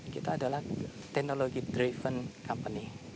kita adalah teknologi driven company